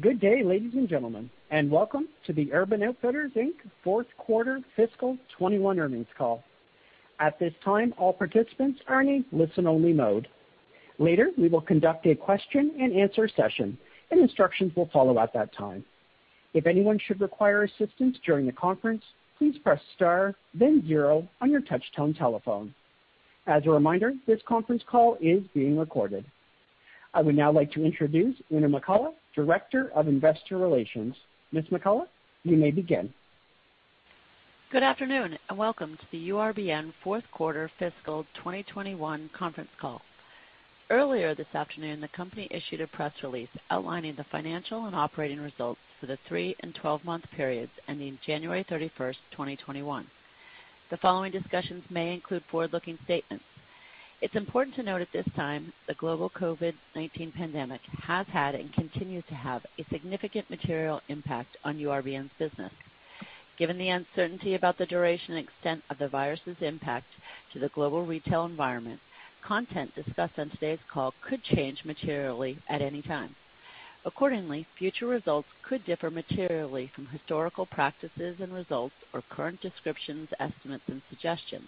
Good day, ladies and gentlemen, and welcome to the Urban Outfitters, Inc. fourth quarter fiscal 2021 earnings call. I would now like to introduce Oona McCullough, Director of Investor Relations. Ms. McCullough, you may begin. Good afternoon, welcome to the URBN fourth quarter fiscal 2021 conference call. Earlier this afternoon, the company issued a press release outlining the financial and operating results for the three and 12-month periods ending January 31st, 2021. The following discussions may include forward-looking statements. It's important to note at this time, the global COVID-19 pandemic has had and continues to have a significant material impact on URBN's business. Given the uncertainty about the duration and extent of the virus's impact to the global retail environment, content discussed on today's call could change materially at any time. Accordingly, future results could differ materially from historical practices and results or current descriptions, estimates, and suggestions.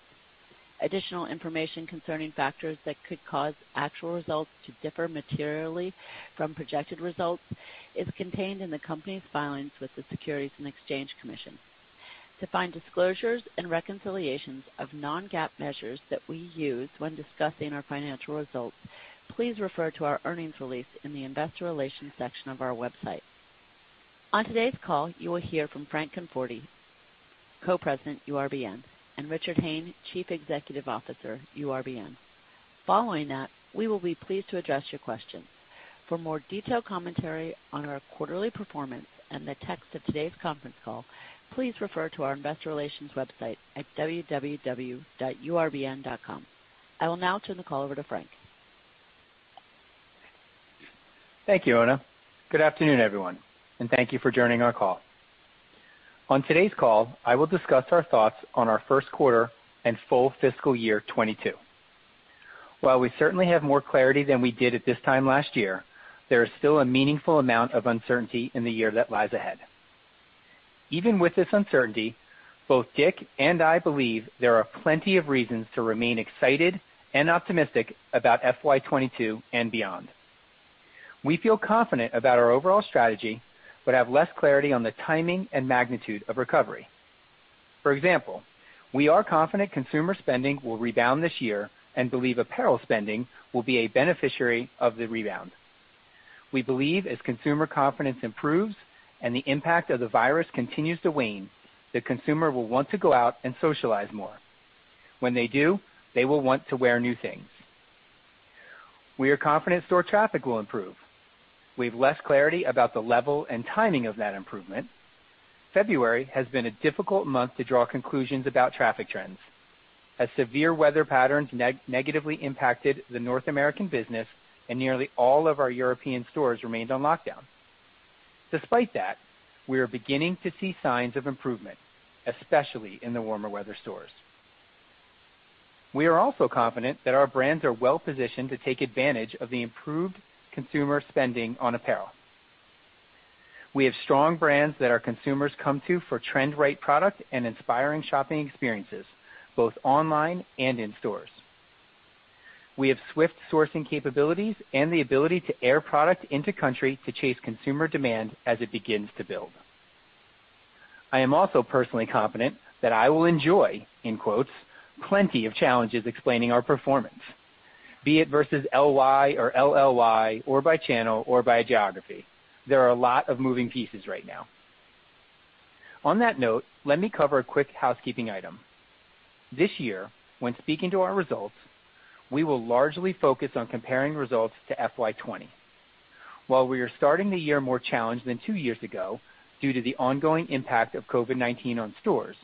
Additional information concerning factors that could cause actual results to differ materially from projected results is contained in the company's filings with the Securities and Exchange Commission. To find disclosures and reconciliations of non-GAAP measures that we use when discussing our financial results, please refer to our earnings release in the investor relations section of our website. On today's call, you will hear from Frank Conforti, Co-President, URBN, and Richard Hayne, Chief Executive Officer, URBN. Following that, we will be pleased to address your questions. For more detailed commentary on our quarterly performance and the text of today's conference call, please refer to our investor relations website at www.urbn.com. I will now turn the call over to Frank. Thank you, Oona. Good afternoon, everyone, and thank you for joining our call. On today's call, I will discuss our thoughts on our first quarter and full fiscal year 2022. While we certainly have more clarity than we did at this time last year, there is still a meaningful amount of uncertainty in the year that lies ahead. Even with this uncertainty, both Dick and I believe there are plenty of reasons to remain excited and optimistic about FY22 and beyond. We feel confident about our overall strategy, but have less clarity on the timing and magnitude of recovery. For example, we are confident consumer spending will rebound this year and believe apparel spending will be a beneficiary of the rebound. We believe as consumer confidence improves and the impact of the virus continues to wane, the consumer will want to go out and socialize more. When they do, they will want to wear new things. We are confident store traffic will improve. We have less clarity about the level and timing of that improvement. February has been a difficult month to draw conclusions about traffic trends, as severe weather patterns negatively impacted the North American business and nearly all of our European stores remained on lockdown. Despite that, we are beginning to see signs of improvement, especially in the warmer weather stores. We are also confident that our brands are well-positioned to take advantage of the improved consumer spending on apparel. We have strong brands that our consumers come to for trend-right product and inspiring shopping experiences, both online and in stores. We have swift sourcing capabilities and the ability to air product into country to chase consumer demand as it begins to build. I am also personally confident that I will enjoy, in quotes, "Plenty of challenges explaining our performance," be it versus LY or LLY or by channel or by geography. There are a lot of moving pieces right now. On that note, let me cover a quick housekeeping item. This year, when speaking to our results, we will largely focus on comparing results to FY20. While we are starting the year more challenged than two years ago due to the ongoing impact of COVID-19 on stores,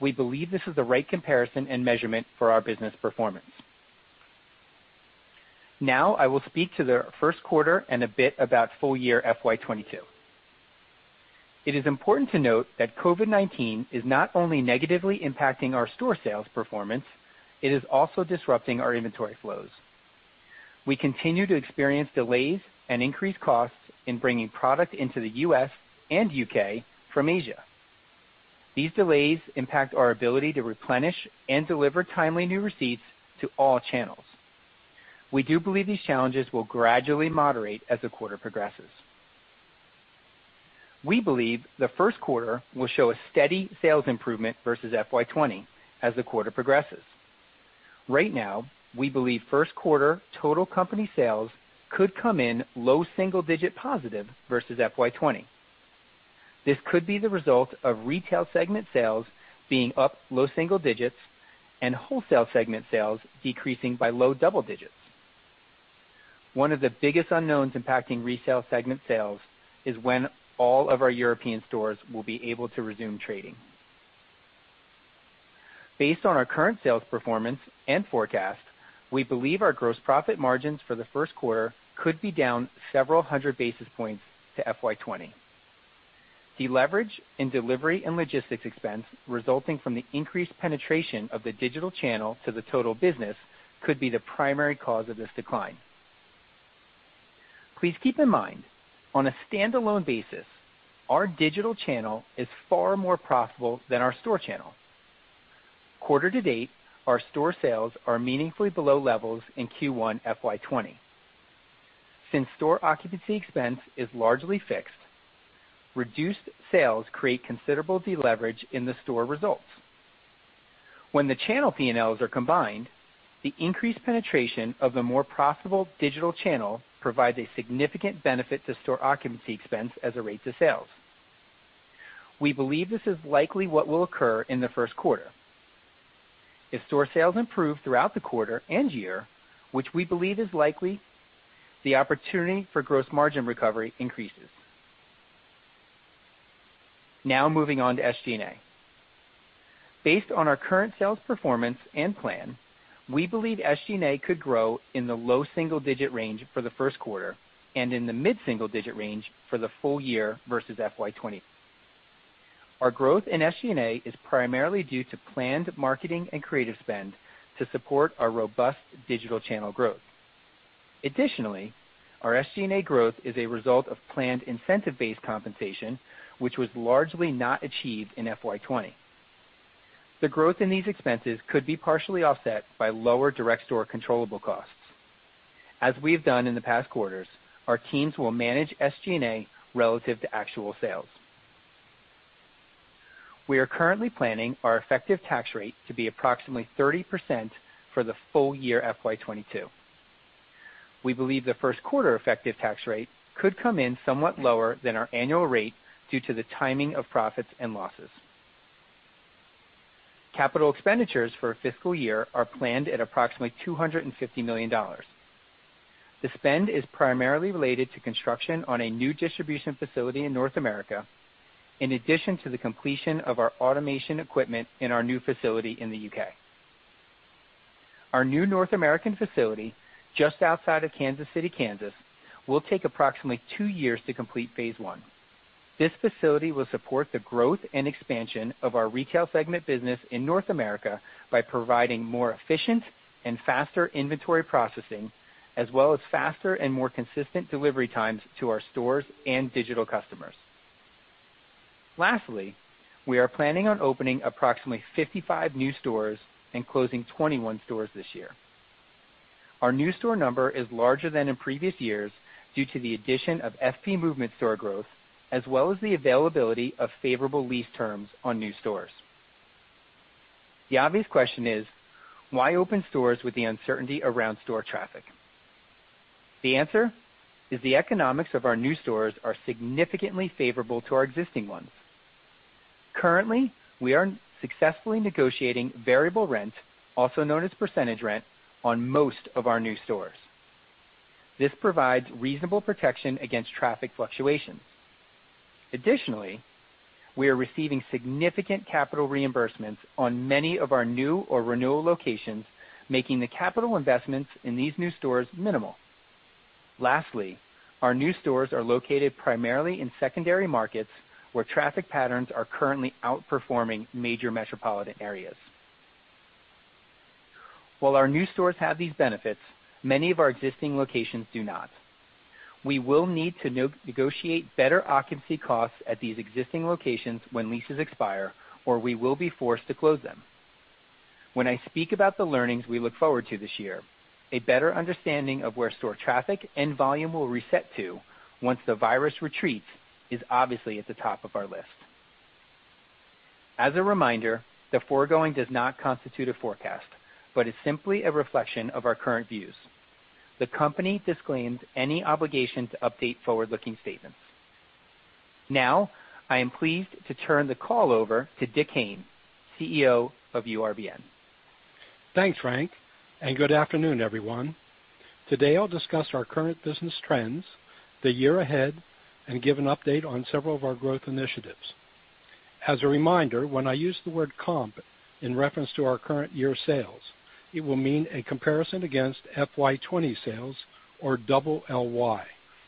we believe this is the right comparison and measurement for our business performance. Now, I will speak to the first quarter and a bit about full year FY22. It is important to note that COVID-19 is not only negatively impacting our store sales performance, it is also disrupting our inventory flows. We continue to experience delays and increased costs in bringing product into the U.S. and U.K. from Asia. These delays impact our ability to replenish and deliver timely new receipts to all channels. We do believe these challenges will gradually moderate as the quarter progresses. We believe the first quarter will show a steady sales improvement versus FY20 as the quarter progresses. Right now, we believe first quarter total company sales could come in low single-digit positive versus FY20. This could be the result of retail segment sales being up low single digits and wholesale segment sales decreasing by low double digits. One of the biggest unknowns impacting retail segment sales is when all of our European stores will be able to resume trading. Based on our current sales performance and forecast, we believe our gross profit margins for the first quarter could be down several hundred basis points to FY 2020. Deleverage in delivery and logistics expense resulting from the increased penetration of the digital channel to the total business could be the primary cause of this decline. Please keep in mind, on a standalone basis, our digital channel is far more profitable than our store channel. Quarter to date, our store sales are meaningfully below levels in Q1 FY 2020. Store occupancy expense is largely fixed, reduced sales create considerable deleverage in the store results. The channel P&Ls are combined, the increased penetration of the more profitable digital channel provides a significant benefit to store occupancy expense as a rate to sales. We believe this is likely what will occur in the first quarter. If store sales improve throughout the quarter and year, which we believe is likely, the opportunity for gross margin recovery increases. Now, moving on to SG&A. Based on our current sales performance and plan, we believe SG&A could grow in the low single-digit range for the first quarter and in the mid-single digit range for the full year versus FY20. Our growth in SG&A is primarily due to planned marketing and creative spend to support our robust digital channel growth. Additionally, our SG&A growth is a result of planned incentive-based compensation, which was largely not achieved in FY20. The growth in these expenses could be partially offset by lower direct store controllable costs. As we have done in the past quarters, our teams will manage SG&A relative to actual sales. We are currently planning our effective tax rate to be approximately 30% for the full year FY22. We believe the first quarter effective tax rate could come in somewhat lower than our annual rate due to the timing of profits and losses. Capital expenditures for a fiscal year are planned at approximately $250 million. The spend is primarily related to construction on a new distribution facility in North America, in addition to the completion of our automation equipment in our new facility in the U.K. Our new North American facility, just outside of Kansas City, Kansas, will take approximately two years to complete phase one. This facility will support the growth and expansion of our retail segment business in North America by providing more efficient and faster inventory processing, as well as faster and more consistent delivery times to our stores and digital customers. Lastly, we are planning on opening approximately 55 new stores and closing 21 stores this year. Our new store number is larger than in previous years due to the addition of FP Movement store growth, as well as the availability of favorable lease terms on new stores. The obvious question is: Why open stores with the uncertainty around store traffic? The answer is the economics of our new stores are significantly favorable to our existing ones. Currently, we are successfully negotiating variable rent, also known as percentage rent, on most of our new stores. This provides reasonable protection against traffic fluctuations. Additionally, we are receiving significant capital reimbursements on many of our new or renewal locations, making the capital investments in these new stores minimal. Lastly, our new stores are located primarily in secondary markets, where traffic patterns are currently outperforming major metropolitan areas. While our new stores have these benefits, many of our existing locations do not. We will need to negotiate better occupancy costs at these existing locations when leases expire, or we will be forced to close them. When I speak about the learnings we look forward to this year, a better understanding of where store traffic and volume will reset to once the virus retreats is obviously at the top of our list. As a reminder, the foregoing does not constitute a forecast, but is simply a reflection of our current views. The company disclaims any obligation to update forward-looking statements. Now, I am pleased to turn the call over to Dick Hayne, CEO of URBN. Thanks, Frank. Good afternoon, everyone. Today, I'll discuss our current business trends, the year ahead, and give an update on several of our growth initiatives. As a reminder, when I use the word comp in reference to our current year sales, it will mean a comparison against FY20 sales or double LY,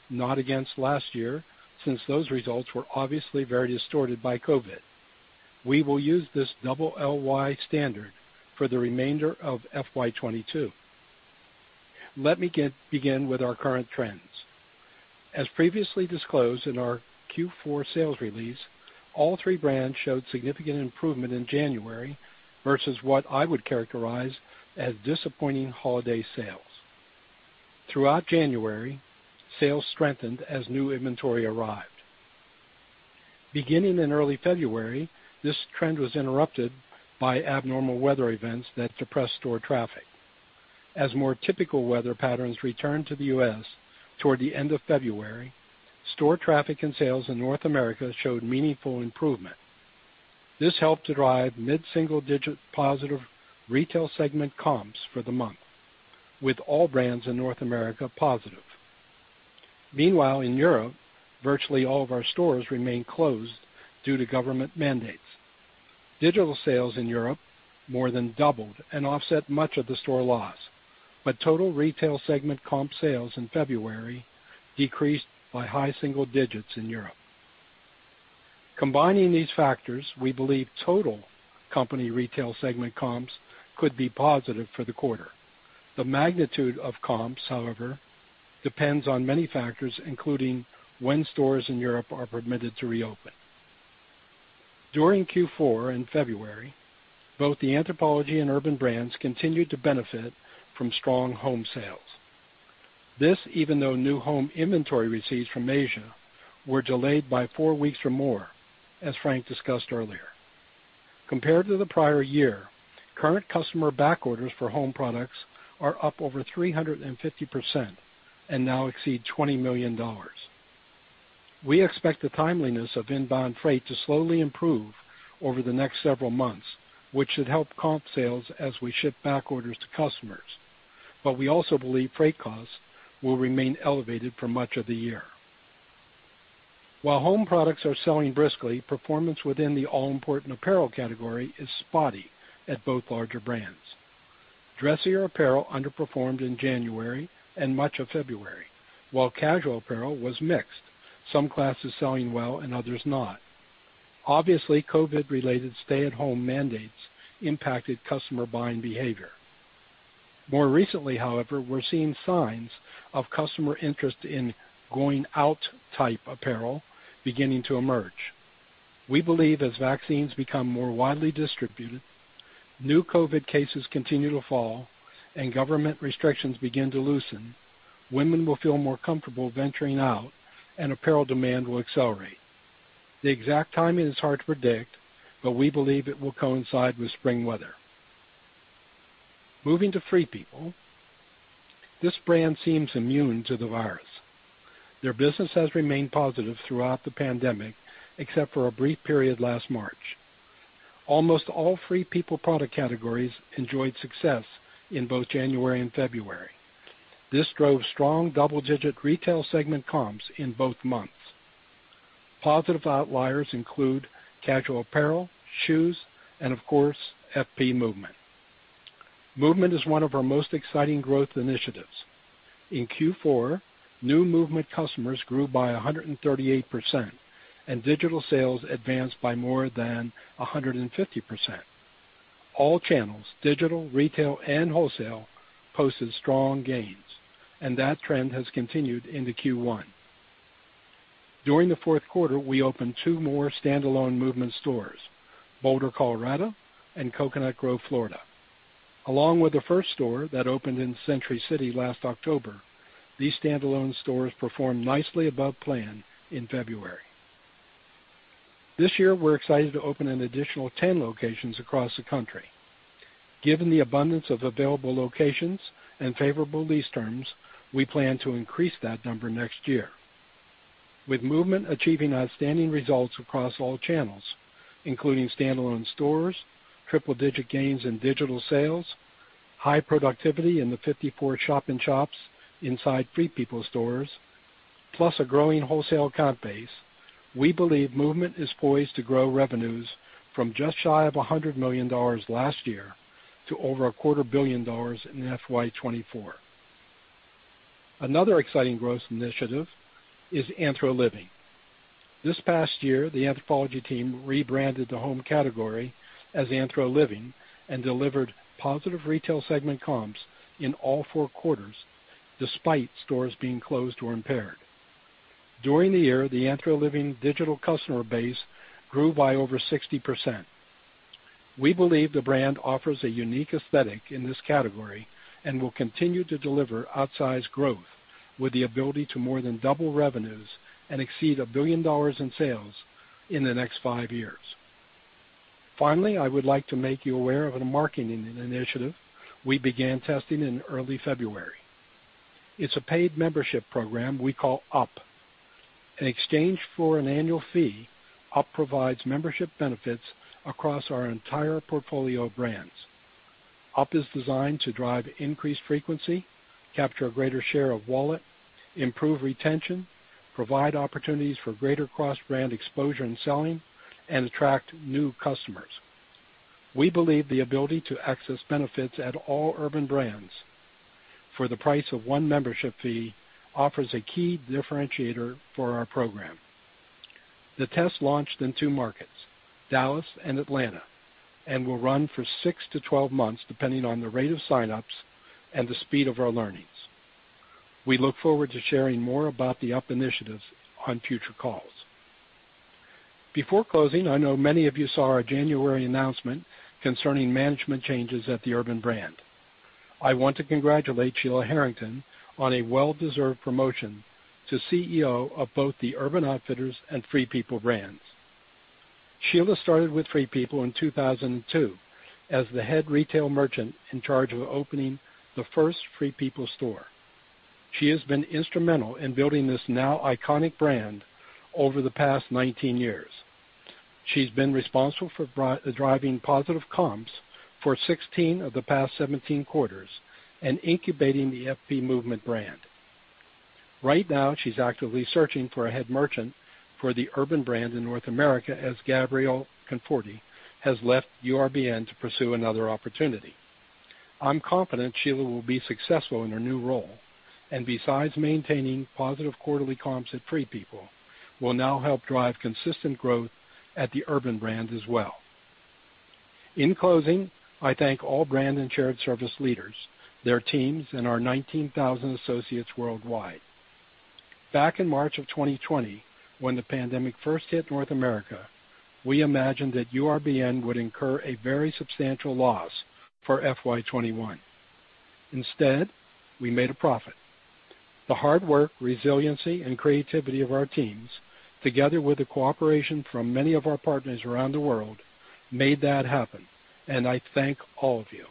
not against last year, since those results were obviously very distorted by COVID-19. We will use this double LY standard for the remainder of FY22. Let me begin with our current trends. As previously disclosed in our Q4 sales release, all three brands showed significant improvement in January versus what I would characterize as disappointing holiday sales. Throughout January, sales strengthened as new inventory arrived. Beginning in early February, this trend was interrupted by abnormal weather events that depressed store traffic. As more typical weather patterns returned to the U.S. toward the end of February, store traffic and sales in North America showed meaningful improvement. This helped to drive mid-single digit positive retail segment comps for the month, with all brands in North America positive. Meanwhile, in Europe, virtually all of our stores remain closed due to government mandates. Digital sales in Europe more than doubled and offset much of the store loss, total retail segment comp sales in February decreased by high single digits in Europe. Combining these factors, we believe total company retail segment comps could be positive for the quarter. The magnitude of comps, however, depends on many factors, including when stores in Europe are permitted to reopen. During Q4 in February, both the Anthropologie and Urban Brands continued to benefit from strong home sales. This even though new home inventory receipts from Asia were delayed by four weeks or more, as Frank discussed earlier. Compared to the prior year, current customer back orders for home products are up over 350% and now exceed $20 million. We expect the timeliness of inbound freight to slowly improve over the next several months, which should help comp sales as we ship back orders to customers. We also believe freight costs will remain elevated for much of the year. While home products are selling briskly, performance within the all-important apparel category is spotty at both larger brands. Dressier apparel underperformed in January and much of February, while casual apparel was mixed, some classes selling well and others not. Obviously, COVID-related stay-at-home mandates impacted customer buying behavior. More recently, however, we're seeing signs of customer interest in going out type apparel beginning to emerge. We believe as vaccines become more widely distributed, new COVID-19 cases continue to fall, and government restrictions begin to loosen, women will feel more comfortable venturing out and apparel demand will accelerate. The exact timing is hard to predict, we believe it will coincide with spring weather. Moving to Free People, this brand seems immune to the virus. Their business has remained positive throughout the pandemic, except for a brief period last March. Almost all Free People product categories enjoyed success in both January and February. This drove strong double-digit retail segment comps in both months. Positive outliers include casual apparel, shoes, and of course, FP Movement. Movement is one of our most exciting growth initiatives. In Q4, new Movement customers grew by 138%, digital sales advanced by more than 150%. All channels, digital, retail, and wholesale, posted strong gains, that trend has continued into Q1. During the fourth quarter, we opened two more standalone Movement stores, Boulder, Colorado and Coconut Grove, Florida. Along with the first store that opened in Century City last October, these standalone stores performed nicely above plan in February. This year, we're excited to open an additional 10 locations across the country. Given the abundance of available locations and favorable lease terms, we plan to increase that number next year. With Movement achieving outstanding results across all channels, including standalone stores, triple-digit gains in digital sales, high productivity in the 54 shop-in-shops inside Free People stores, plus a growing wholesale comp base, we believe Movement is poised to grow revenues from just shy of $100 million last year to over a quarter billion dollars in FY 2024. Another exciting growth initiative is Anthro Living. This past year, the Anthropologie team rebranded the home category as Anthro Living and delivered positive retail segment comps in all 4 quarters, despite stores being closed or impaired. During the year, the Anthro Living digital customer base grew by over 60%. We believe the brand offers a unique aesthetic in this category and will continue to deliver outsized growth with the ability to more than double revenues and exceed $1 billion in sales in the next 5 years. Finally, I would like to make you aware of a marketing initiative we began testing in early February. It's a paid membership program we call UP. In exchange for an annual fee, UP provides membership benefits across our entire portfolio of brands. UP is designed to drive increased frequency, capture a greater share of wallet, improve retention, provide opportunities for greater cross-brand exposure and selling, and attract new customers. We believe the ability to access benefits at all Urban Brands for the price of one membership fee offers a key differentiator for our program. The test launched in two markets, Dallas and Atlanta, and will run for six to 12 months, depending on the rate of sign-ups and the speed of our learnings. We look forward to sharing more about the UP initiatives on future calls. Before closing, I know many of you saw our January announcement concerning management changes at the Urban Brand. I want to congratulate Sheila Harrington on a well-deserved promotion to CEO of both the Urban Outfitters and Free People brands. Sheila started with Free People in 2002 as the head retail merchant in charge of opening the first Free People store. She has been instrumental in building this now iconic brand over the past 19 years. She's been responsible for driving positive comps for 16 of the past 17 quarters and incubating the FP Movement brand. Right now, she's actively searching for a head merchant for the Urban brand in North America, as Gabrielle Conforti has left URBN to pursue another opportunity. I'm confident Sheila will be successful in her new role, and besides maintaining positive quarterly comps at Free People, will now help drive consistent growth at the Urban brand as well. In closing, I thank all brand and shared service leaders, their teams, and our 19,000 associates worldwide. Back in March of 2020, when the pandemic first hit North America, we imagined that URBN would incur a very substantial loss for FY21. Instead, we made a profit. The hard work, resiliency, and creativity of our teams, together with the cooperation from many of our partners around the world, made that happen, and I thank all of you.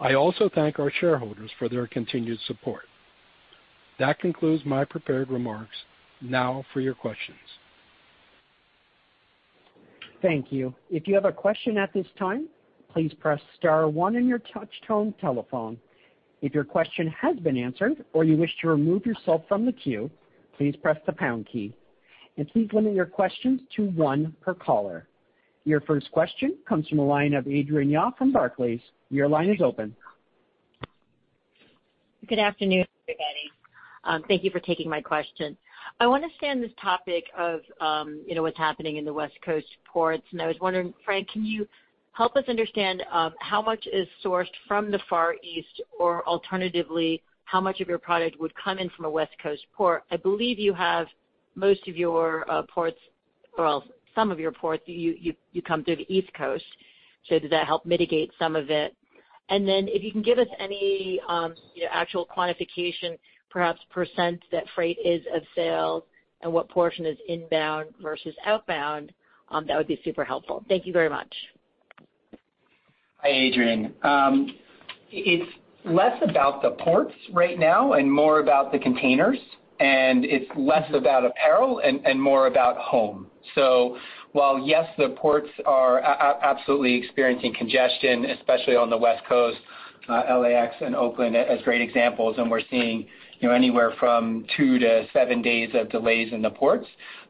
I also thank our shareholders for their continued support. That concludes my prepared remarks. Now for your questions. Thank you. If you have a question at this time, please press star one on your touch tone telephone. If your question has been answered or you wish to remove yourself from the queue, please press the pound key. Please limit your questions to one per caller. Your first question comes from the line of Adrienne Yap from Barclays. Your line is open. Good afternoon, everybody. Thank you for taking my question. I want to stay on this topic of what's happening in the West Coast ports. I was wondering, Frank, can you help us understand how much is sourced from the Far East, or alternatively, how much of your product would come in from a West Coast port? I believe you have most of your ports, or some of your ports, you come through the East Coast. Does that help mitigate some of it? If you can give us any actual quantification, perhaps % that freight is of sales and what portion is inbound versus outbound, that would be super helpful. Thank you very much. Hi, Adrienne. It's less about the ports right now and more about the containers, it's less about apparel and more about home. While, yes, the ports are absolutely experiencing congestion, especially on the West Coast, L.A. and Oakland as great examples, we're seeing anywhere from 2 to 7 days of delays in the ports.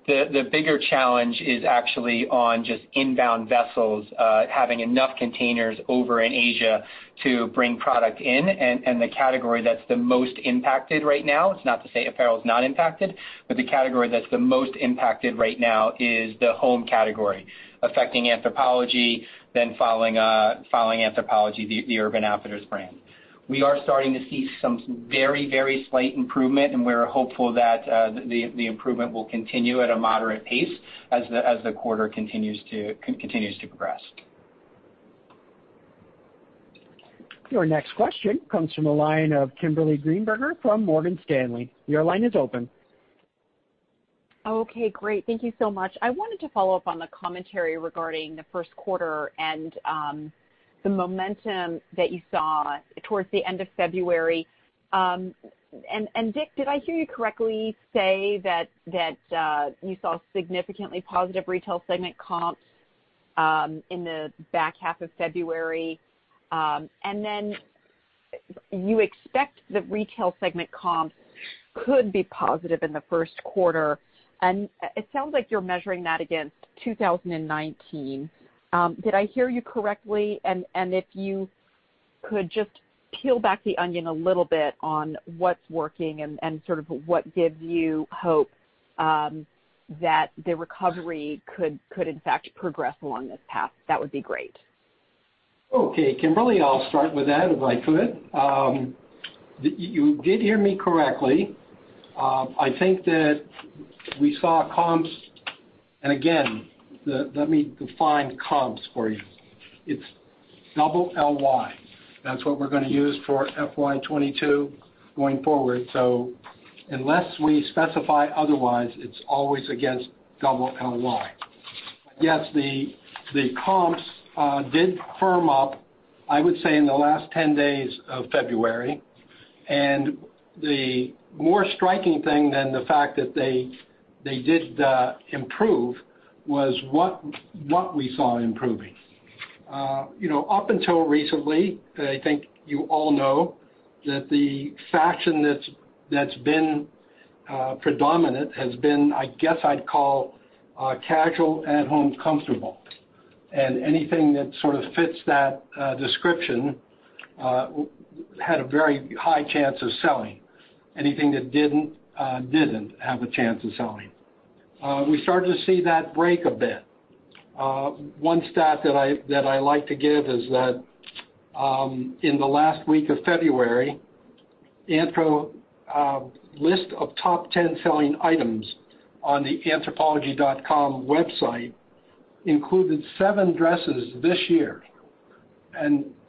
The bigger challenge is actually on just inbound vessels having enough containers over in Asia to bring product in, the category that's the most impacted right now, it's not to say apparel is not impacted, but the category that's the most impacted right now is the home category, affecting Anthropologie, then following Anthropologie, the Urban Outfitters brand. We are starting to see some very slight improvement, we're hopeful that the improvement will continue at a moderate pace as the quarter continues to progress. Your next question comes from the line of Kimberly Greenberger from Morgan Stanley. Your line is open. Okay, great. Thank you so much. I wanted to follow up on the commentary regarding the first quarter and the momentum that you saw towards the end of February. Dick, did I hear you correctly say that you saw significantly positive retail segment comps in the back half of February? Then you expect that retail segment comps could be positive in the first quarter, and it sounds like you're measuring that against 2019. Did I hear you correctly? If you could just peel back the onion a little bit on what's working and sort of what gives you hope that the recovery could in fact progress along this path, that would be great. Okay, Kimberly, I'll start with that if I could. You did hear me correctly. I think that we saw comps, and again, let me define comps for you. It's double LY. That's what we're going to use for FY22 going forward. Unless we specify otherwise, it's always against double LY. Yes, the comps did firm up, I would say, in the last 10 days of February, and the more striking thing than the fact that they did improve was what we saw improving. Up until recently, I think you all know that the faction that's been predominant has been, I guess I'd call casual at home comfortable. Anything that sort of fits that description had a very high chance of selling. Anything that didn't have a chance of selling. We started to see that break a bit. One stat that I like to give is that in the last week of February, Anthro list of top 10 selling items on the anthropologie.com website included seven dresses this year.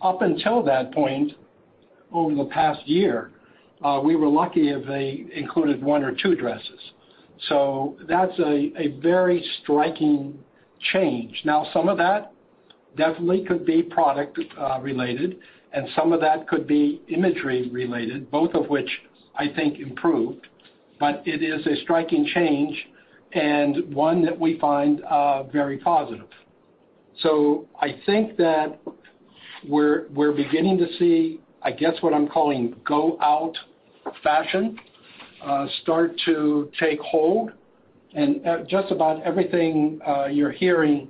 Up until that point, over the past year, we were lucky if they included one or two dresses. That's a very striking change. Now, some of that definitely could be product related, and some of that could be imagery related, both of which I think improved. It is a striking change and one that we find very positive. I think that we're beginning to see, I guess, what I'm calling go out fashion start to take hold, and just about everything you're hearing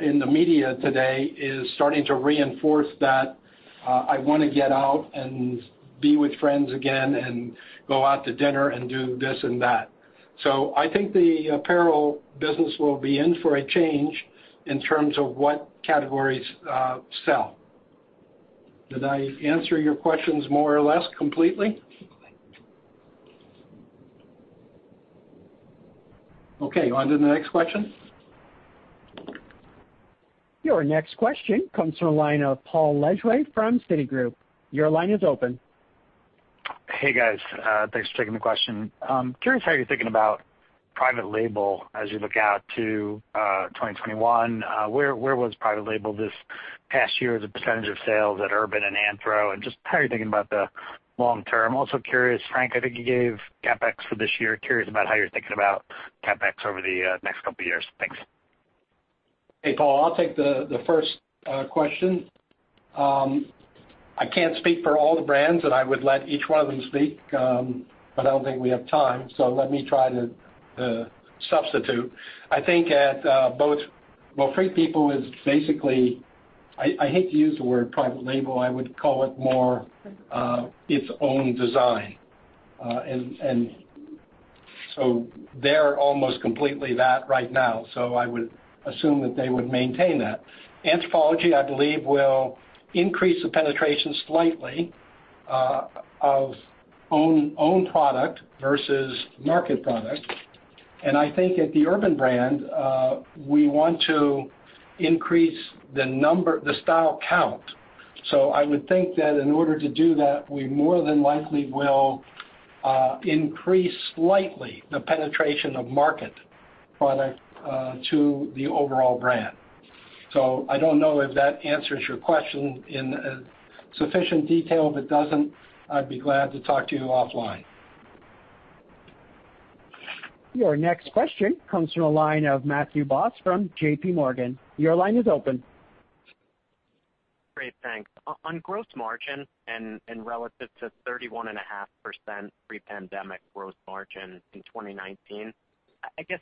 in the media today is starting to reinforce that I want to get out and be with friends again and go out to dinner and do this and that. I think the apparel business will be in for a change in terms of what categories sell. Did I answer your questions more or less completely? Okay, on to the next question. Your next question comes from the line of Paul Lejuez from Citigroup. Your line is open. Hey, guys. Thanks for taking the question. Curious how you're thinking about private label as you look out to 2021. Where was private label this past year as a percentage of sales at Urban and Anthro, and just how you're thinking about the long term. Also curious, Frank, I think you gave CapEx for this year. Curious about how you're thinking about CapEx over the next couple years. Thanks. Hey, Paul. I'll take the first question. I can't speak for all the brands. I would let each one of them speak. I don't think we have time. Let me try to substitute. I think at both Well, Free People is basically, I hate to use the word private label, I would call it more its own design. They're almost completely that right now. I would assume that they would maintain that. Anthropologie, I believe, will increase the penetration slightly of own product versus market product. I think at the Urban brand, we want to increase the style count. I would think that in order to do that, we more than likely will increase slightly the penetration of market product to the overall brand. I don't know if that answers your question in sufficient detail. If it doesn't, I'd be glad to talk to you offline. Your next question comes from the line of Matthew Boss from JP Morgan. Your line is open. Great, thanks. On gross margin and relative to 31.5% pre-pandemic gross margin in 2019, I guess,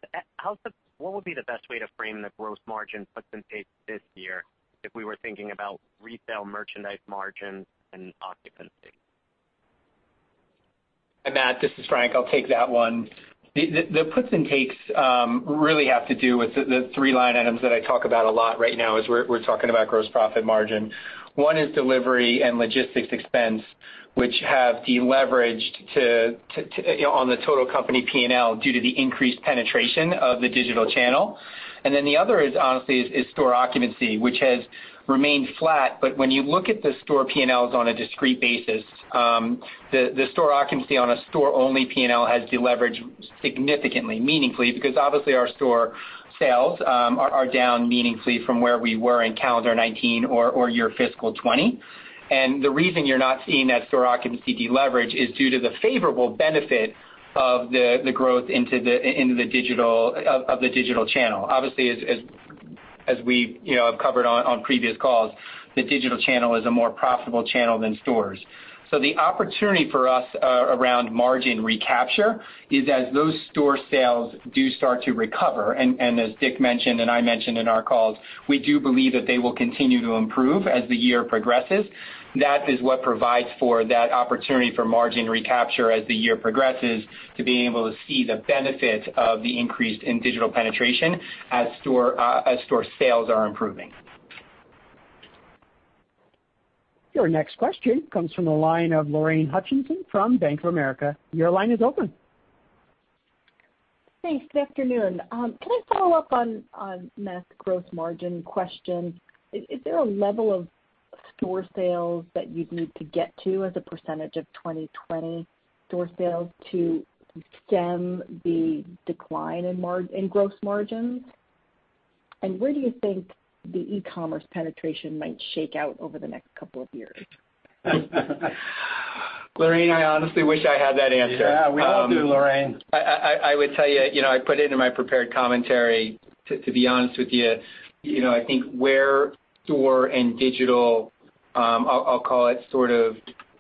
what would be the best way to frame the gross margin puts and takes this year if we were thinking about retail merchandise margin and occupancy? Matthew Boss, this is Frank Conforti. I'll take that one. The puts and takes really have to do with the three line items that I talk about a lot right now as we're talking about gross profit margin. One is delivery and logistics expense, which have deleveraged on the total company P&L due to the increased penetration of the digital channel. The other is honestly, store occupancy, which has remained flat. When you look at the store P&Ls on a discrete basis, the store occupancy on a store-only P&L has deleveraged significantly, meaningfully, because obviously our store sales are down meaningfully from where we were in calendar 2019 or your FY 2020. The reason you're not seeing that store occupancy deleverage is due to the favorable benefit of the growth of the digital channel. Obviously, as we have covered on previous calls, the digital channel is a more profitable channel than stores. The opportunity for us around margin recapture is as those store sales do start to recover, and as Dick mentioned and I mentioned in our calls, we do believe that they will continue to improve as the year progresses. That is what provides for that opportunity for margin recapture as the year progresses to being able to see the benefit of the increase in digital penetration as store sales are improving. Your next question comes from the line of Lorraine Hutchinson from Bank of America. Your line is open. Thanks. Good afternoon. Can I follow up on Matt's gross margin question? Is there a level of store sales that you'd need to get to as a % of 2020 store sales to stem the decline in gross margins? Where do you think the e-commerce penetration might shake out over the next couple of years? Lorraine, I honestly wish I had that answer. Yeah, we all do, Lorraine. I would tell you, I put it in my prepared commentary, to be honest with you, I think where store and digital, I'll call it sort of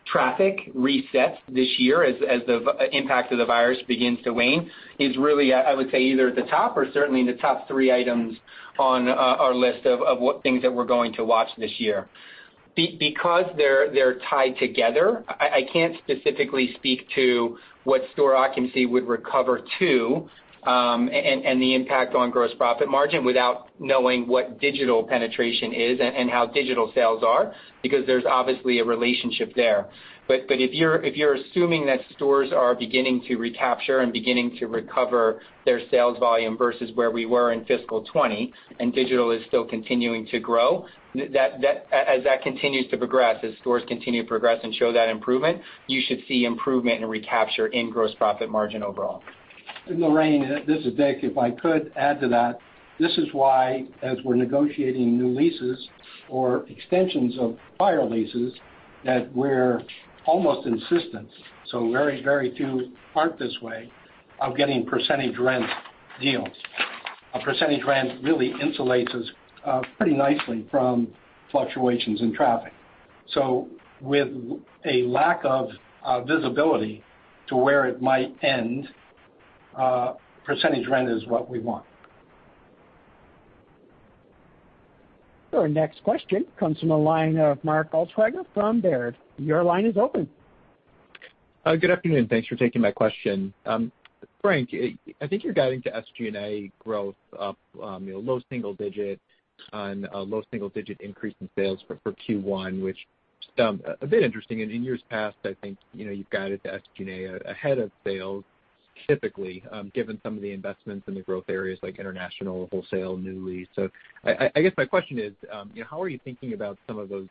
traffic resets this year as the impact of the virus begins to wane, is really, I would say, either at the top or certainly in the top three items on our list of what things that we're going to watch this year. Because they're tied together, I can't specifically speak to what store occupancy would recover to, and the impact on gross profit margin without knowing what digital penetration is and how digital sales are, because there's obviously a relationship there. If you're assuming that stores are beginning to recapture and beginning to recover their sales volume versus where we were in FY 2020, and digital is still continuing to grow, as that continues to progress, as stores continue to progress and show that improvement, you should see improvement and recapture in gross profit margin overall. Lorraine, this is Dick. If I could add to that, this is why, as we're negotiating new leases or extensions of prior leases that we're almost insistent, so very, very few part this way, of getting percentage rent deals. A percentage rent really insulates us pretty nicely from fluctuations in traffic. With a lack of visibility to where it might end, percentage rent is what we want. Our next question comes from the line of Mark Altschwager from Baird. Your line is open. Good afternoon. Thanks for taking my question. Frank, I think you're guiding to SG&A growth up low single-digit on a low single-digit increase in sales for Q1, which stumped a bit interesting. In years past, I think, you've guided the SG&A ahead of sales typically, given some of the investments in the growth areas like international, wholesale, Nuuly. I guess my question is, how are you thinking about some of those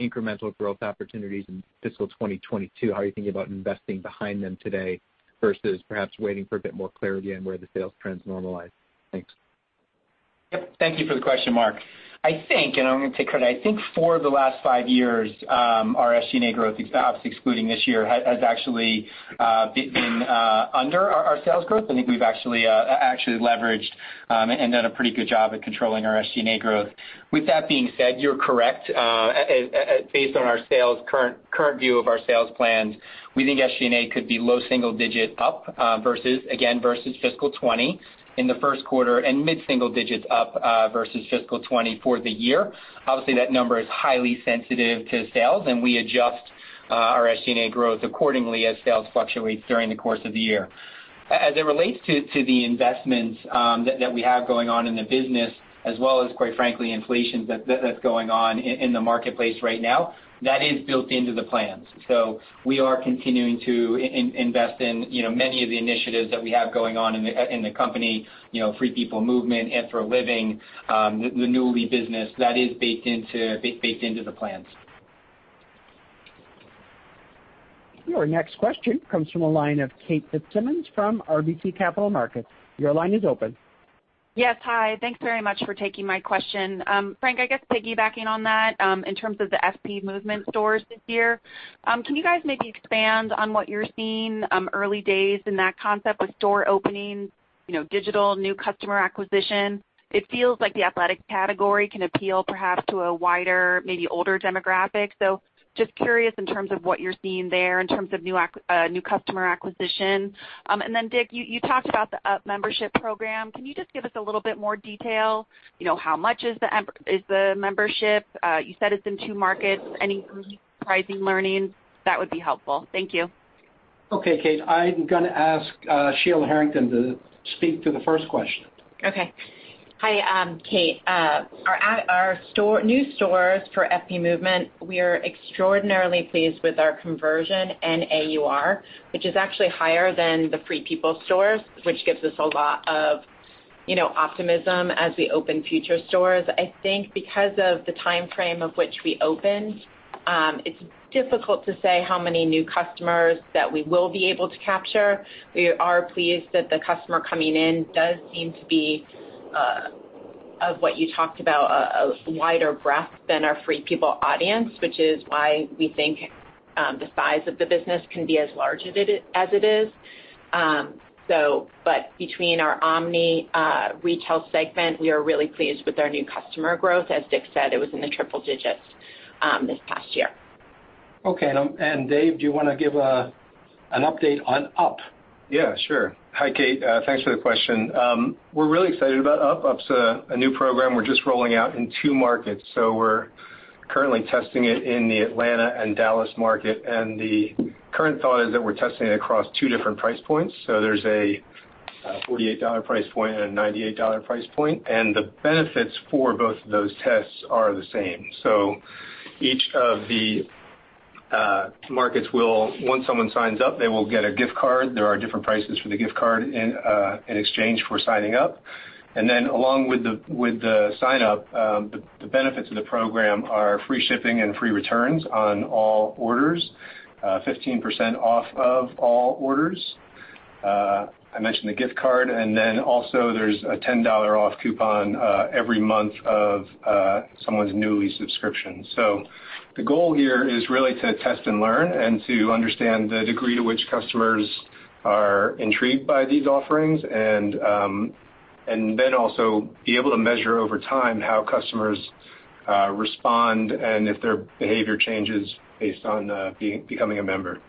incremental growth opportunities in fiscal 2022? How are you thinking about investing behind them today versus perhaps waiting for a bit more clarity on where the sales trends normalize? Thanks. Yep. Thank you for the question, Mark. I think, and I'm going to take credit, I think four of the last five years, our SG&A growth, excluding this year, has actually been under our sales growth. I think we've actually leveraged and done a pretty good job at controlling our SG&A growth. With that being said, you're correct. Based on our current view of our sales plans, we think SG&A could be low single digit up, again, versus FY 2020 in the first quarter and mid-single digits up, versus FY 2020 for the year. Obviously, that number is highly sensitive to sales, and we adjust our SG&A growth accordingly as sales fluctuates during the course of the year. As it relates to the investments that we have going on in the business, as well as, quite frankly, inflation that's going on in the marketplace right now, that is built into the plans. We are continuing to invest in many of the initiatives that we have going on in the company, Free People Movement, Anthro Living, the Nuuly business. That is baked into the plans. Your next question comes from the line of Kate Fitzsimons from RBC Capital Markets. Your line is open. Yes. Hi. Thanks very much for taking my question. Frank Conforti, I guess piggybacking on that, in terms of the FP Movement stores this year, can you guys maybe expand on what you're seeing early days in that concept with store openings, digital, new customer acquisition? It feels like the athletic category can appeal perhaps to a wider, maybe older demographic. Just curious in terms of what you're seeing there in terms of new customer acquisition. Dick, you talked about the UP membership program. Can you just give us a little bit more detail? How much is the membership? You said it's in two markets. Any surprising learnings? That would be helpful. Thank you. Okay, Kate. I'm going to ask Sheila Harrington to speak to the first question. Okay. Hi, Kate. Our new stores for FP Movement, we are extraordinarily pleased with our conversion and AUR, which is actually higher than the Free People stores, which gives us a lot of optimism as we open future stores. I think because of the timeframe of which we opened, it is difficult to say how many new customers that we will be able to capture. We are pleased that the customer coming in does seem to be, of what you talked about, a wider breadth than our Free People audience, which is why we think the size of the business can be as large as it is. Between our omni retail segment, we are really pleased with our new customer growth. As Dick said, it was in the triple digits this past year. Okay. Dave, do you want to give an update on UP? Sure. Hi, Kate. Thanks for the question. We're really excited about UP. UP's a new program we're just rolling out in two markets. We're currently testing it in the Atlanta and Dallas market, and the current thought is that we're testing it across two different price points. There's a $48 price point and a $98 price point, and the benefits for both of those tests are the same. Each of the markets will, once someone signs up, they will get a gift card. There are different prices for the gift card in exchange for signing up. Along with the sign-up, the benefits of the program are free shipping and free returns on all orders, 15% off of all orders. I mentioned the gift card, and then also there's a $10 off coupon every month of someone's Nuuly subscription. The goal here is really to test and learn and to understand the degree to which customers are intrigued by these offerings, and then also be able to measure over time how customers respond and if their behavior changes based on becoming a member.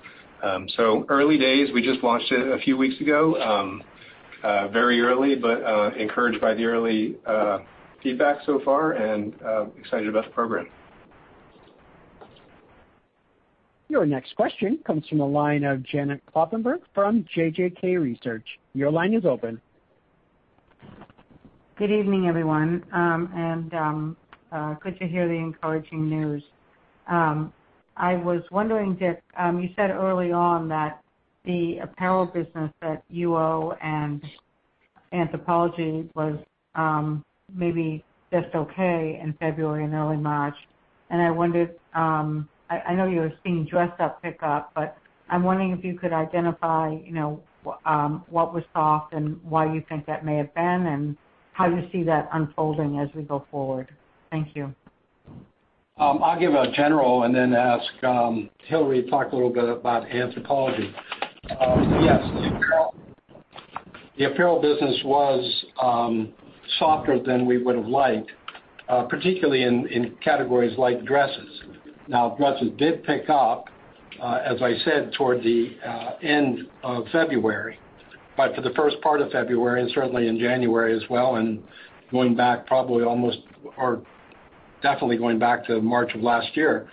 Early days, we just launched it a few weeks ago. Very early, but encouraged by the early feedback so far and excited about the program. Your next question comes from the line of Janet Kloppenburg from JJK Research. Your line is open. Good evening, everyone, and good to hear the encouraging news. I was wondering, Dick, you said early on that the apparel business at UO and Anthropologie was maybe just okay in February and early March, and I know you were seeing dress up pick up, but I'm wondering if you could identify what was soft and why you think that may have been and how you see that unfolding as we go forward. Thank you. I'll give a general and then ask Hillary to talk a little bit about Anthropologie. Yes, the apparel business was softer than we would've liked, particularly in categories like dresses. Now, dresses did pick up, as I said, toward the end of February. For the first part of February and certainly in January as well, and going back probably almost or definitely going back to March of last year,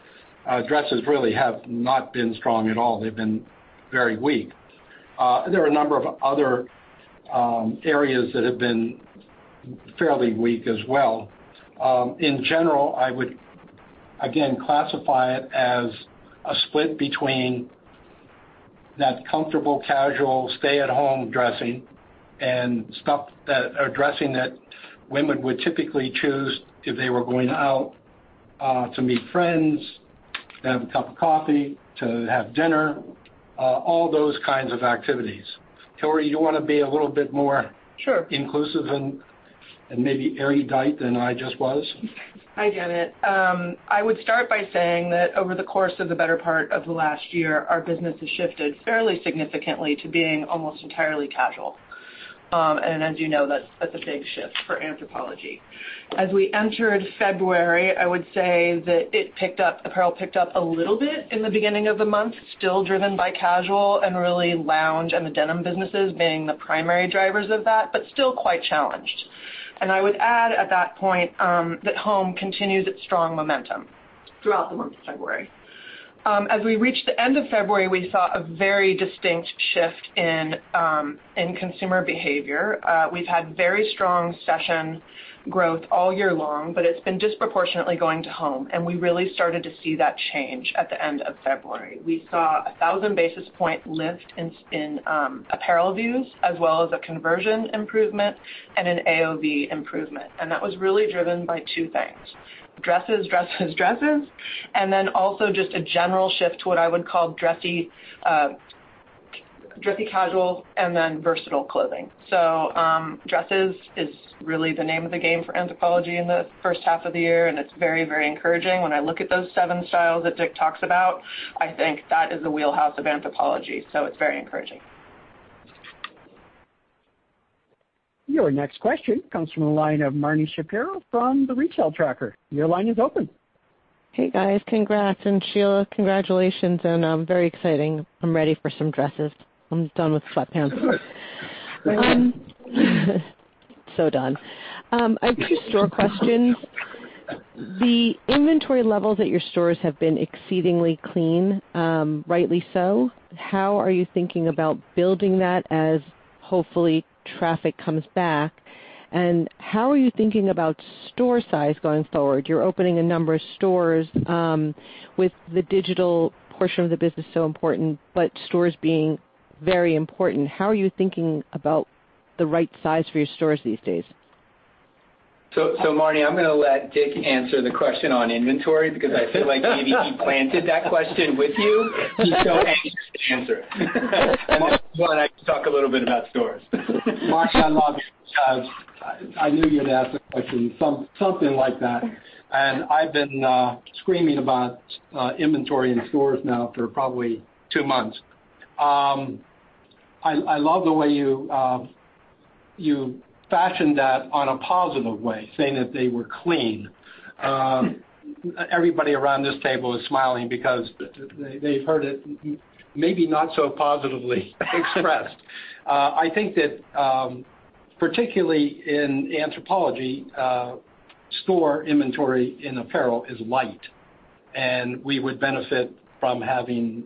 dresses really have not been strong at all. They've been very weak. There are a number of other areas that have been fairly weak as well. In general, I would, again, classify it as a split between that comfortable, casual, stay-at-home dressing and dressing that women would typically choose if they were going out to meet friends, to have a cup of coffee, to have dinner, all those kinds of activities. Hillary, you want to be a little bit. Sure inclusive and maybe erudite than I just was? I get it. I would start by saying that over the course of the better part of the last year, our business has shifted fairly significantly to being almost entirely casual. As you know, that's a big shift for Anthropologie. As we entered February, I would say that it picked up, apparel picked up a little bit in the beginning of the month, still driven by casual and really lounge and the denim businesses being the primary drivers of that, but still quite challenged. I would add at that point, that home continued its strong momentum throughout the month of February. As we reached the end of February, we saw a very distinct shift in consumer behavior. We've had very strong session growth all year long, but it's been disproportionately going to home, and we really started to see that change at the end of February. We saw a 1,000 basis point lift in apparel views, as well as a conversion improvement and an AOV improvement. That was really driven by two things: dresses, dresses, and then also just a general shift to what I would call dressy casual and then versatile clothing. Dresses is really the name of the game for Anthropologie in the first half of the year, and it's very encouraging. When I look at those seven styles that Dick talks about, I think that is the wheelhouse of Anthropologie, so it's very encouraging. Your next question comes from the line of Marni Shapiro from The Retail Tracker. Your line is open. Hey, guys. Congrats. Sheila, congratulations and very exciting. I'm ready for some dresses. I'm done with sweatpants. Good. Done. I have two store questions. The inventory levels at your stores have been exceedingly clean, rightly so. How are you thinking about building that as hopefully traffic comes back? How are you thinking about store size going forward? You're opening a number of stores, with the digital portion of the business so important, but stores being very important. How are you thinking about the right size for your stores these days? Marni, I'm going to let Dick answer the question on inventory because I feel like maybe he planted that question with you. He's so anxious to answer it. This one, I can talk a little bit about stores. Marni, I love you because I knew you'd ask a question something like that, and I've been screaming about inventory in stores now for probably two months. I love the way you fashioned that on a positive way, saying that they were clean. Everybody around this table is smiling because they've heard it maybe not so positively expressed. I think that, particularly in Anthropologie, store inventory in apparel is light, and we would benefit from having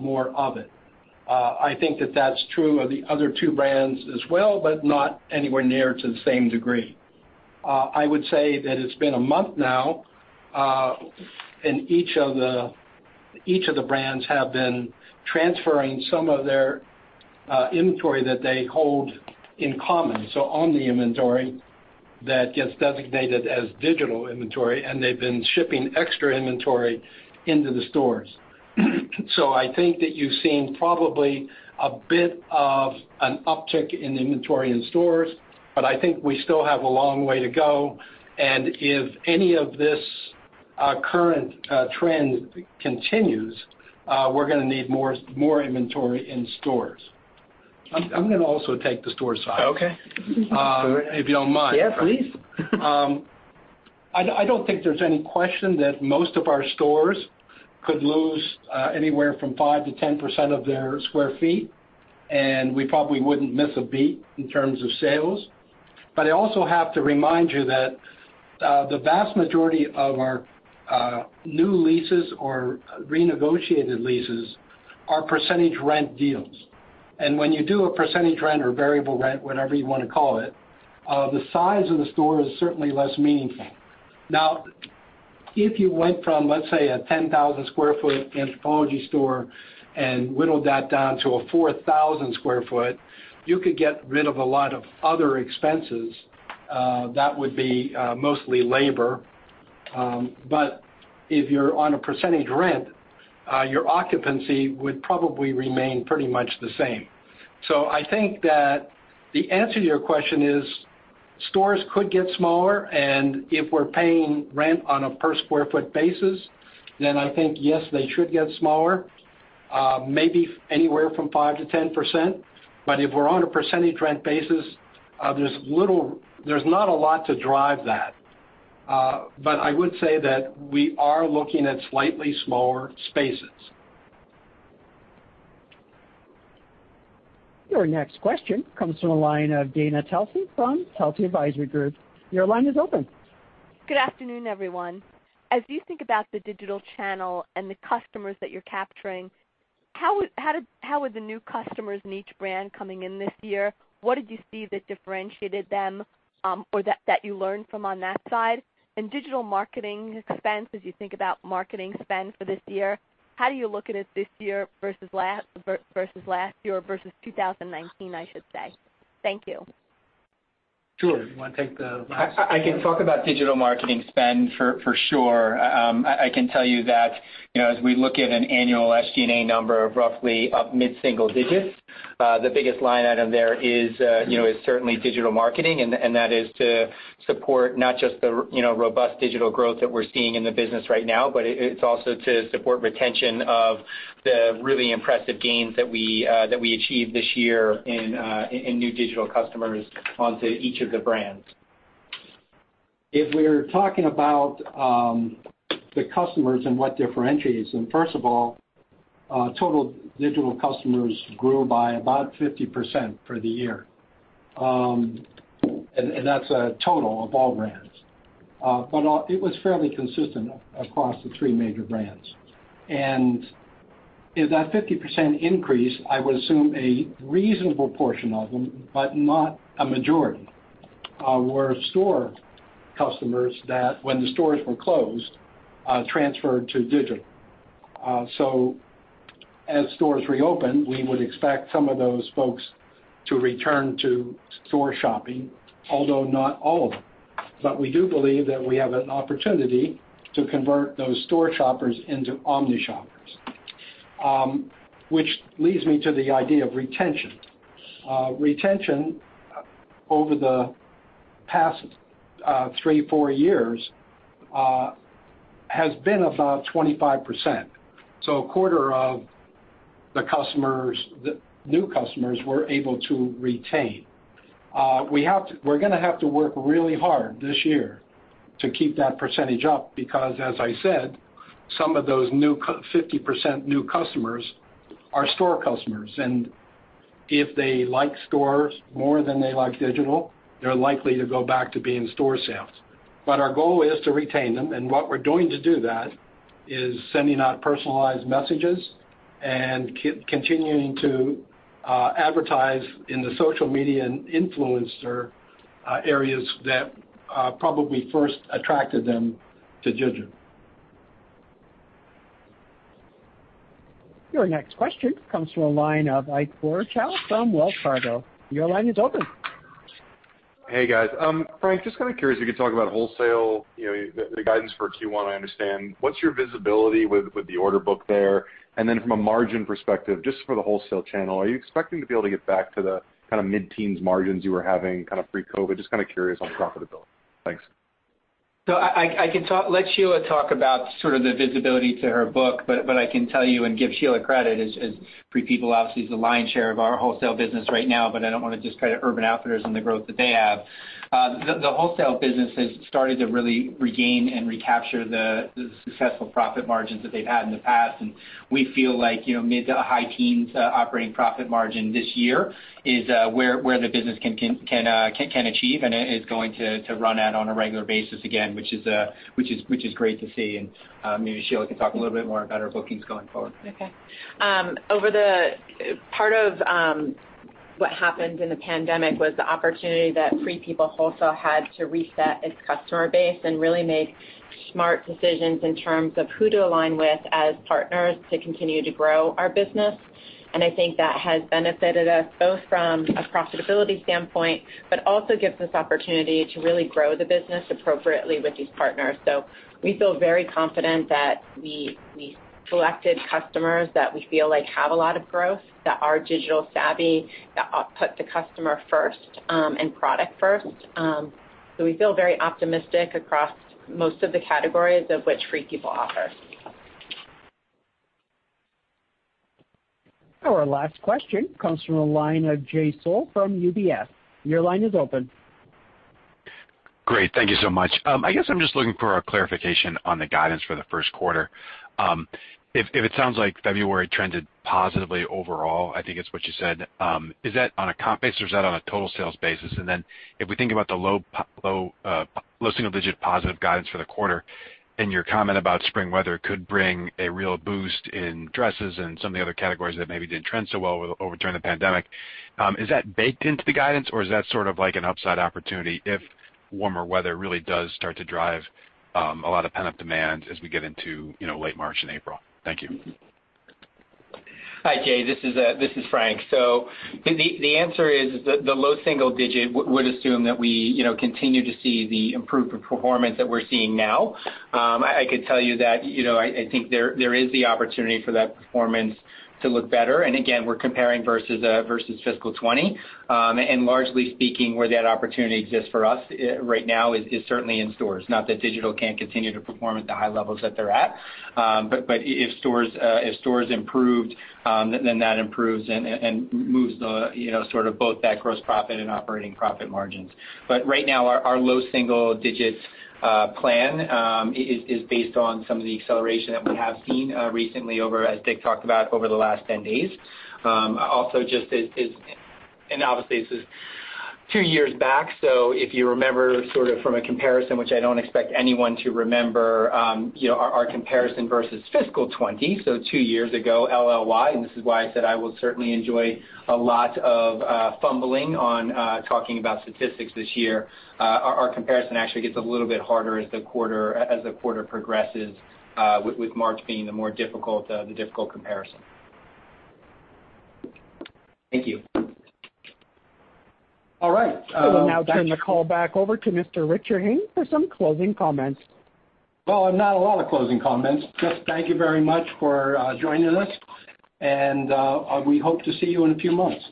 more of it. I think that that's true of the other two brands as well, but not anywhere near to the same degree. I would say that it's been one month now, and each of the brands have been transferring some of their inventory that they hold in common, so owned inventory that gets designated as digital inventory, and they've been shipping extra inventory into the stores. I think that you've seen probably a bit of an uptick in inventory in stores, but I think we still have a long way to go. If any of this current trend continues, we're going to need more inventory in stores. I'm going to also take the store size. Okay. If you don't mind. Yeah, please. I don't think there's any question that most of our stores could lose anywhere from 5%-10% of their square feet, and we probably wouldn't miss a beat in terms of sales. I also have to remind you that the vast majority of our new leases or renegotiated leases are percentage rent deals. When you do a percentage rent or variable rent, whatever you want to call it, the size of the store is certainly less meaningful. Now, if you went from, let's say, a 10,000 square foot Anthropologie store and whittled that down to a 4,000 square foot, you could get rid of a lot of other expenses. That would be mostly labor. If you're on a percentage rent, your occupancy would probably remain pretty much the same. I think that the answer to your question is stores could get smaller, and if we're paying rent on a per square foot basis, then I think yes, they should get smaller, maybe anywhere from 5%-10%. If we're on a percentage rent basis, there's not a lot to drive that. I would say that we are looking at slightly smaller spaces. Your next question comes from the line of Dana Telsey from Telsey Advisory Group. Your line is open. Good afternoon, everyone. As you think about the digital channel and the customers that you're capturing, how are the new customers in each brand coming in this year? What did you see that differentiated them, or that you learned from on that side? Digital marketing expense, as you think about marketing spend for this year, how do you look at it this year versus last year, versus 2019, I should say? Thank you. Sure. You want to take? I can talk about digital marketing spend for sure. I can tell you that as we look at an annual SG&A number of roughly up mid-single digits, the biggest line item there is certainly digital marketing, and that is to support not just the robust digital growth that we're seeing in the business right now, but it's also to support retention of the really impressive gains that we achieved this year in new digital customers onto each of the brands. If we're talking about the customers and what differentiates them, first of all, total digital customers grew by about 50% for the year. That's a total of all brands. It was fairly consistent across the three major brands. In that 50% increase, I would assume a reasonable portion of them, but not a majority, were store customers that, when the stores were closed, transferred to digital. As stores reopen, we would expect some of those folks to return to store shopping, although not all of them. We do believe that we have an opportunity to convert those store shoppers into omni shoppers. Which leads me to the idea of retention. Retention over the past three, four years has been about 25%. A quarter of the new customers we're able to retain. We're gonna have to work really hard this year to keep that percentage up because, as I said, some of those 50% new customers are store customers, and if they like stores more than they like digital, they're likely to go back to being store sales. Our goal is to retain them, and what we're doing to do that is sending out personalized messages and continuing to advertise in the social media and influencer areas that probably first attracted them to digital. Your next question comes from the line of Ike Boruchow from Wells Fargo. Your line is open. Hey, guys. Frank, just kind of curious if you could talk about wholesale, the guidance for Q1, I understand. What's your visibility with the order book there? From a margin perspective, just for the wholesale channel, are you expecting to be able to get back to the mid-teens margins you were having pre-COVID? Just kind of curious on profitability. Thanks. I can let Sheila talk about the visibility to her book, but I can tell you and give Sheila credit, as Free People obviously is the lion's share of our wholesale business right now, but I don't want to just credit Urban Outfitters and the growth that they have. The wholesale business has started to really regain and recapture the successful profit margins that they've had in the past, and we feel like mid to high teens operating profit margin this year is where the business can achieve and is going to run at on a regular basis again, which is great to see. Maybe Sheila can talk a little bit more about her bookings going forward. Okay. Part of what happened in the pandemic was the opportunity that Free People Wholesale had to reset its customer base and really make smart decisions in terms of who to align with as partners to continue to grow our business. I think that has benefited us both from a profitability standpoint, but also gives us opportunity to really grow the business appropriately with these partners. We feel very confident that we selected customers that we feel like have a lot of growth, that are digital savvy, that put the customer first and product first. We feel very optimistic across most of the categories of which Free People offers. Our last question comes from the line of Jay Sole from UBS. Your line is open. Great. Thank you so much. I guess I'm just looking for a clarification on the guidance for the first quarter. If it sounds like February trended positively overall, I think it's what you said, is that on a comp basis or is that on a total sales basis? If we think about the low single-digit positive guidance for the quarter and your comment about spring weather could bring a real boost in dresses and some of the other categories that maybe didn't trend so well over during the pandemic, is that baked into the guidance or is that sort of like an upside opportunity if warmer weather really does start to drive a lot of pent-up demand as we get into late March and April? Thank you. Hi, Jay. This is Frank. The answer is the low single digit would assume that we continue to see the improved performance that we're seeing now. I could tell you that I think there is the opportunity for that performance to look better. Again, we're comparing versus FY20. Largely speaking, where that opportunity exists for us right now is certainly in stores, not that digital can't continue to perform at the high levels that they're at. If stores improved, then that improves and moves both that gross profit and operating profit margins. Right now, our low single digits plan is based on some of the acceleration that we have seen recently over, as Dick talked about, over the last 10 days. Obviously, this is 2 years back. If you remember from a comparison, which I don't expect anyone to remember, our comparison versus FY20, 2 years ago, LLY, this is why I said I will certainly enjoy a lot of fumbling on talking about statistics this year. Our comparison actually gets a little bit harder as the quarter progresses with March being the more difficult comparison. Thank you. All right. I will now turn the call back over to Mr. Richard Hayne for some closing comments. Well, not a lot of closing comments. Just thank you very much for joining us, and we hope to see you in a few months.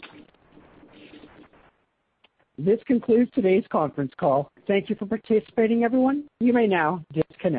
This concludes today's conference call. Thank you for participating, everyone. You may now disconnect.